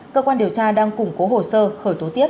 cơ quan điều tra đang củng cố hồ sơ khởi tố tiết năm vụ việc